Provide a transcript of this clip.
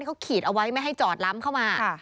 เขาขีดเอาไว้ไม่ให้จอดล้ำเข้ามา